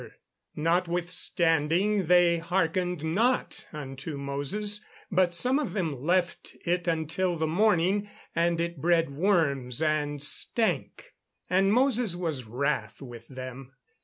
[Verse: "Notwithstanding they hearkened not unto Moses; but some of them left it until the morning, and it bred worms, and stank: and Moses was wrath with them."